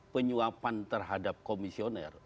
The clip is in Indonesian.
penyuapan terhadap komisioner